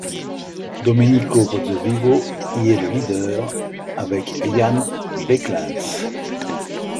Domenico Pozzovivo y est le leader, avec Jan Bakelants.